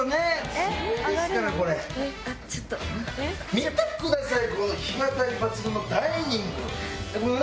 見てください！